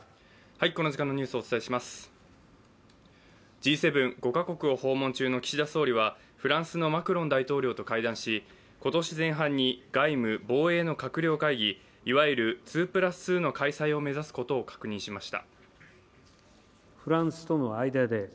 Ｇ７・５か国を訪問中の岸田総理はフランスのマクロン大統領と会談し、今年前半に外務・防衛の閣僚会議いわゆる２＋２の開催を目指すことを確認しました。